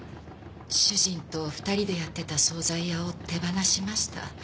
主人と二人でやっていた惣菜屋を手放しました。